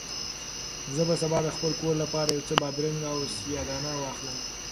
زه به سبا د خپل کور لپاره یو څه بادرنګ او سیاه دانه واخلم.